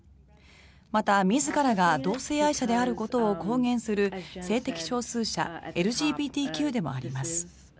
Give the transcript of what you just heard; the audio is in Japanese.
また自らが同性愛者であることを公言する性的少数者・ＬＧＢＴＱでもあります。